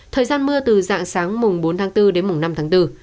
thời gian mưa từ dạng sáng mùng bốn tháng bốn đến mùng năm tháng bốn